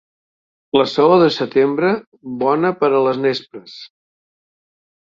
La saó de setembre, bona per a les nespres.